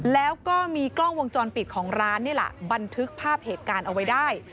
แล้วก็มีกล้องวงจรปิดของร้านนี่แหละบันทึกภาพเหตุการณ์เอาไว้ได้